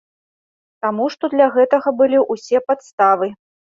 Таму што для гэтага былі ўсе падставы.